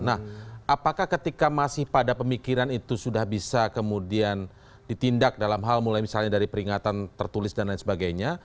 nah apakah ketika masih pada pemikiran itu sudah bisa kemudian ditindak dalam hal mulai misalnya dari peringatan tertulis dan lain sebagainya